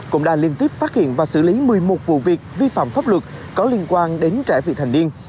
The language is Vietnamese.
cũng đã liên tiếp phát hiện và xử lý một mươi một vụ việc vi phạm pháp luật có liên quan đến trẻ vị thành niên